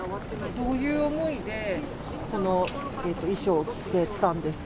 どういう思いで、この衣装を着せたんですか？